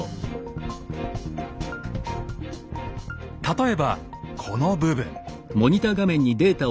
例えばこの部分。